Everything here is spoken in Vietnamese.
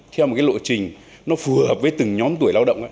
theo một cái lộ trình nó phù hợp với từng nhóm tuổi lao động